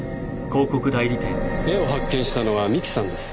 絵を発見したのは三木さんです。